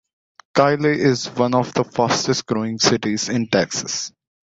Kyle is one of the fastest-growing cities in Texas.